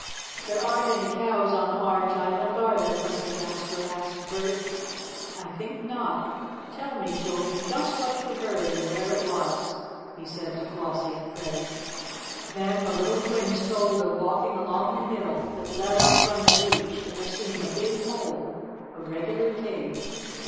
"There aren't any cows on Orange Island; are there, Cousin Jasper?" asked Bert. "I think not. Tell me, children, just what you heard, and where it was," he said to Flossie and Freddie. Then the little twins told of walking along the hill that led up from the beach and of seeing a big hole a regular cave.